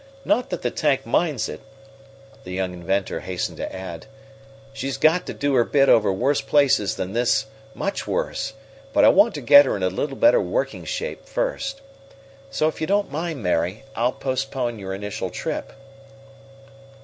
Not that the tank minds it!" the young inventor hastened to add "She's got to do her bit over worse places than this much worse but I want to get her in a little better working shape first. So if you don't mind, Mary, I'll postpone your initial trip."